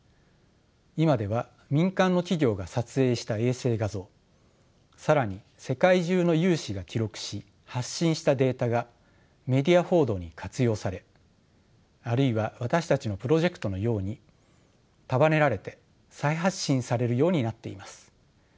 いまでは民間の企業が撮影した衛星画像さらに世界中の有志が記録し発信したデータがメディア報道に活用されあるいは私たちのプロジェクトのように束ねられて再発信されるようになっています。